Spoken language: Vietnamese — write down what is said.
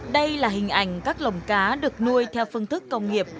đây là hình ảnh các lồng cá được nuôi theo phương thức công nghiệp